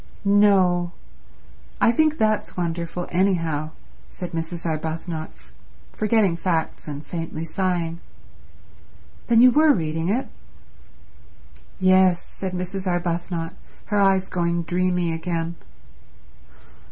"No—I think that's wonderful anyhow," said Mrs. Arbuthnot, forgetting facts and faintly sighing. "Then you were reading it?" "Yes," said Mrs. Arbuthnot, her eyes going dreamy again.